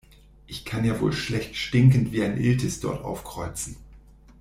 Ich kann ja wohl schlecht stinkend wie ein Iltis dort aufkreuzen.